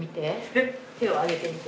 手を上げみて。